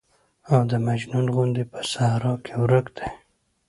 او د مجنون غوندې په صحرا کې ورک دى.